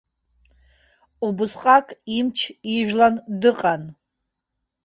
Убысҟак имч ижәлан дыҟан.